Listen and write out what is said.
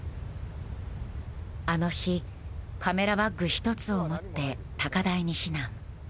あの日カメラバッグ１つを持って高台に避難。